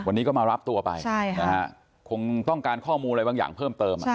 วันนี้ก็มารับตัวไปคงต้องการข้อมูลอะไรบางอย่างเพิ่มเติม